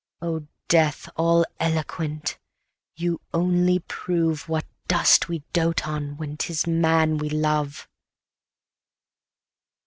O Death all eloquent! you only prove What dust we doat on when 'tis man we love.